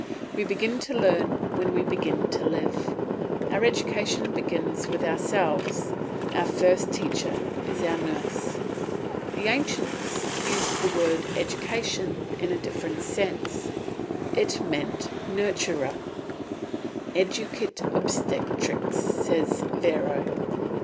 We begin to learn when we begin to live; our education begins with ourselves, our first teacher is our nurse. The ancients used the word "Education" in a different sense, it meant "Nurture." "Educit obstetrix," says Varro.